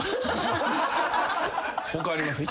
他あります？